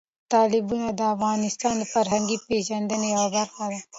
تالابونه د افغانانو د فرهنګي پیژندنې یوه برخه ده.